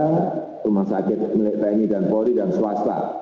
rumah sakit milik pni dan pori dan swasta